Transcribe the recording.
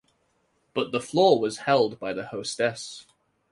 But the floor was held by the hostess.